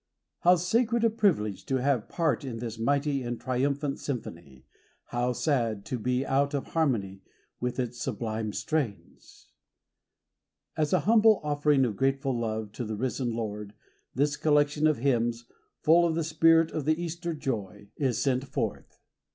How sacred a privilege to have part in this mighty and triumphant sym phony, how sad to be out of harmony with its sublime strains ! As a humble offering of grateful love to the risen Lord, this collection of hymns, full of the spirit of the Easter joy, is sent forth.